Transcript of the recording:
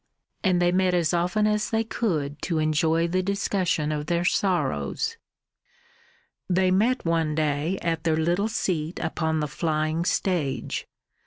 And they met as often as they could to enjoy the discussion of their sorrows. They met one day at their little seat upon the flying stage.